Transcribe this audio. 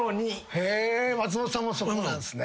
へぇ松本さんもそうなんすね。